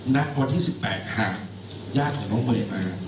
ณวันที่๑๘หากญาติของน้องเมย์มา